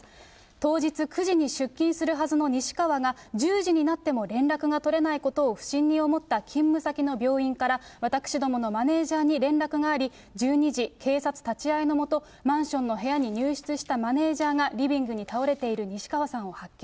当日、９時に出勤するはずの西川が、１０時になっても連絡が取れないことを不審に思った勤務先の病院から私どものマネージャーに連絡があり、１２時、警察立ち会いのもと、マンションの部屋に入室したマネージャーが、リビングに倒れている西川さんを発見。